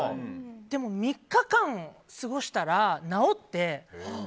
でも、３日間過ごしたら治って。